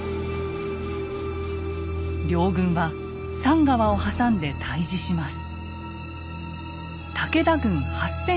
両軍は産川を挟んで対峙します。